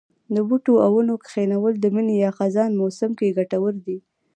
د بوټو او ونو کښېنول د مني یا خزان موسم کې کټور دي.